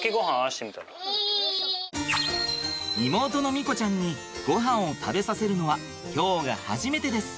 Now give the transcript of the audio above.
妹の美瑚ちゃんにごはんを食べさせるのは今日が初めてです。